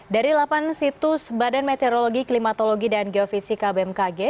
dari delapan situs badan meteorologi klimatologi dan geofisika bmkg